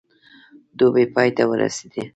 دوبی پای ته ورسېدی.